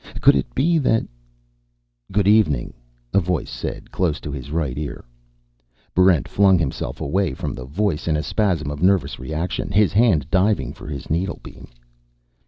Could it be that ? "Good evening," a voice said, close to his right ear. Barrent flung himself away from the voice in a spasm of nervous reaction, his hand diving for his needlebeam.